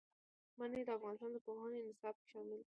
منی د افغانستان د پوهنې نصاب کې شامل دي.